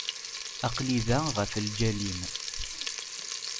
Aql-i da ɣef lǧal-im.